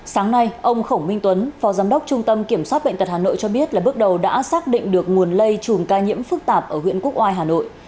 sáng nay ông khổng minh tuấn phó giám đốc trung tâm kiểm soát bệnh tật hà nội cho biết là bước đầu đã xác định được nguồn lây chùm ca nhiễm phức tạp ở huyện quốc oai hà nội